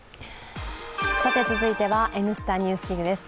続いては「Ｎスタ・ＮＥＷＳＤＩＧ」です。